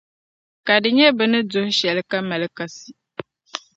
Ka di nyɛ bɛ ni duhi shɛli, ka mali kasi.